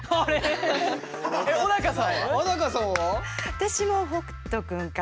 私も北斗君かな。